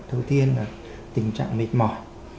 thứ tiên là tình trạng mệt mỏi